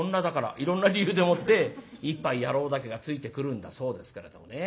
いろんな理由でもって「一杯やろう」だけがついてくるんだそうですけれどもね。